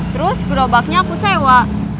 terus gerobaknya aku sewa